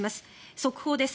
速報です。